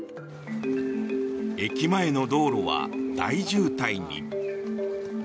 駅前の道路は大渋滞に。